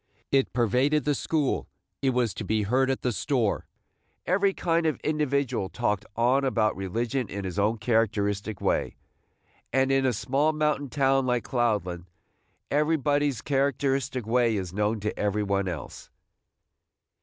It pervaded the school; it was to be heard at the store. Every kind of individual talked on and about religion in his own characteristic way, and in a small mountain town like Cloudland everybody's characteristic way is known to every one else.